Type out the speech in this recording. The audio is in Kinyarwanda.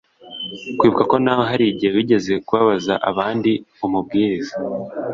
kwibuka ko nawe hari igihe wigeze kubabaza abandi Umubwiriza